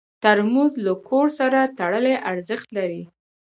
ترموز له کور سره تړلی ارزښت لري.